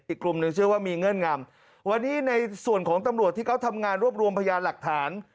อีกกลุ่มหนึ่งเชื่อว่ามีเงื่อนงำวันนี้ในส่วนของตำรวจที่เขาทำงานรวบรวมพยานหลักฐาน